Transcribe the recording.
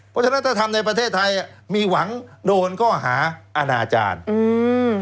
เพราะฉะนั้นถ้าทำในประเทศไทยอ่ะมีหวังโดนข้อหาอาณาจารย์อืม